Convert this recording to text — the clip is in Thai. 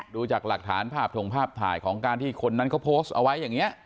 ดูจากหลักฐานภาพถงภาพถ่ายของการที่คนนั้นเขาโพสต์เอาไว้อย่างนี้